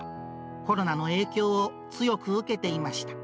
コロナの影響を強く受けていました。